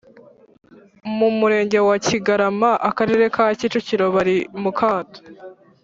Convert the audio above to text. mu Murenge wa Kigarama Akarere ka Kicukiro bari mukato